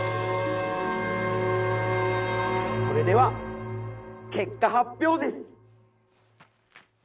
それでは結果発表です。